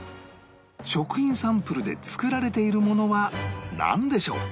食品サンプルで作られているものはなんでしょう？